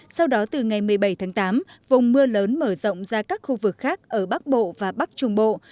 sau đó từ ngày một mươi bảy tháng tám vùng mưa lớn mở rộng ra các khu vực khác ở bắc bộ và bắc trung bộ